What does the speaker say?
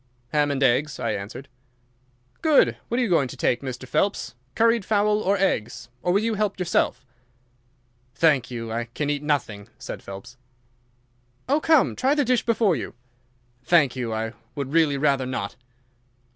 "Ham and eggs," I answered. "Good! What are you going to take, Mr. Phelps—curried fowl or eggs, or will you help yourself?" "Thank you. I can eat nothing," said Phelps. "Oh, come! Try the dish before you." "Thank you, I would really rather not."